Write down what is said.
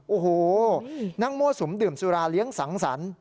โอ้โหนั่งมั่วสุมดื่มสุราเลี้ยงสังสรรค์